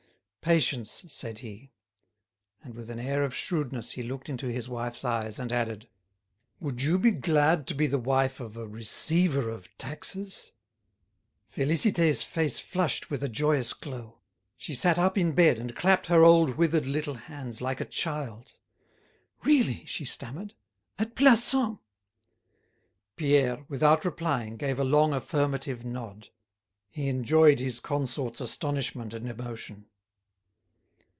"Patience," said he. And with an air of shrewdness he looked into his wife's eyes and added: "Would you be glad to be the wife of a receiver of taxes?" Félicité's face flushed with a joyous glow. She sat up in bed and clapped her old withered little hands like a child. "Really?" she stammered. "At Plassans?" Pierre, without replying, gave a long affirmative nod. He enjoyed his consort's astonishment and emotion.